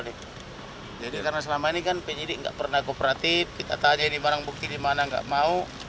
karena selama ini kan menjadi gak pernah kooperatif kita tanya ini barang bukti di mana gak mau